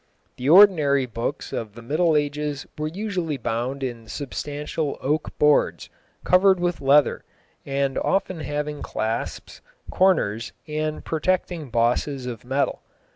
The ordinary books of the middle ages were usually bound in substantial oak boards covered with leather, and often having clasps, corners, and protecting bosses of metal.